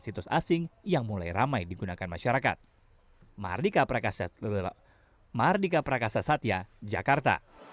situs asing yang mulai ramai digunakan masyarakat